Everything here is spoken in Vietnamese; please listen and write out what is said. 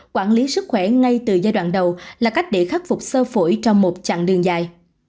quản lý sức khỏe ngay từ giai đoạn đầu là cách để khắc phục sơ phổi trong một chặng đường dài